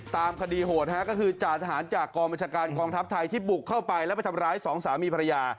ตามคดีโหดฮะก็คือจ่าทหารจากกองบัญชาการกองทัพไทยที่บุกเข้าไปแล้วไปทำร้ายสองสามีภรรยา